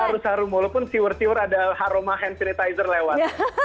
harum harum walaupun siur siur ada aroma hand sanitizer lewat